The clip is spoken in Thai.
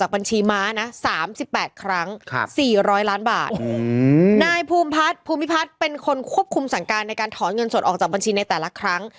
ภูมิพัฒน์เป็นคนควบคุมศัลการณ์ในการถอนเงินสดออกจากบัญชีในแต่ละครั้ง